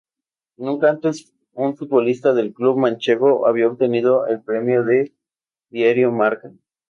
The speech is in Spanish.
Nunca antes un futbolista del club manchego había obtenido el premio del Diario Marca.